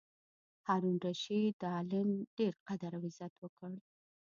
هارون الرشید د عالم ډېر قدر او عزت وکړ.